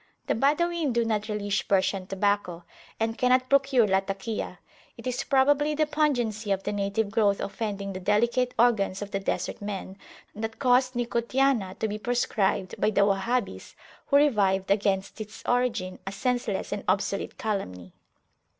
The Badawin do not relish Persian tobacco, and cannot procure Latakia: it is probably the pungency of the native growth offending the delicate organs of the Desert men, that caused nicotiana to be proscribed by the Wahhabis, who revived against its origin a senseless and obsolete calumny.